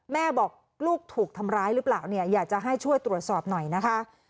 แม่บอกลูกถูกทำร้ายหรือเปล่าเนี่ยอยากจะให้ช่วยตรวจสอบหน่อยนะคะ